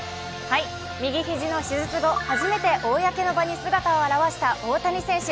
右肘の手術後初めて公の場に姿を現した大谷選手。